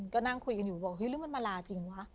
ก็นั่งคุยกันอยู่บอกเฮ้หรือมันมาลาจริงวะ